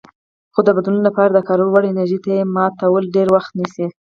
خو د بدن لپاره د کارولو وړ انرژي ته یې ماتول ډېر وخت نیسي.